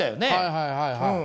はいはいはいはい。